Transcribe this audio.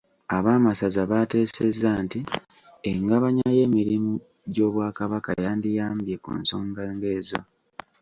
Ab'amasaza baateesezza nti engabanya y'emirimu gy'Obwakabaka yandiyambye ku nsonga ng'ezo.